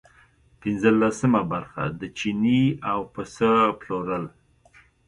پنځلسمه برخه د چیني او پسه پلورل.